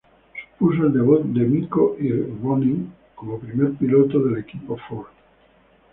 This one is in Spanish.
Supuso el debut de Mikko Hirvonen como primer piloto del equipo Ford.